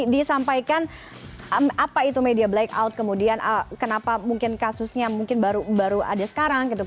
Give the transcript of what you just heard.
disampaikan apa itu media blackout kemudian kenapa mungkin kasusnya mungkin baru ada sekarang gitu